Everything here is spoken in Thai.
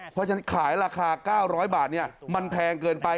เพราะฉะนั้นขายราคา๙๐๐บาทมันแพงเกินไป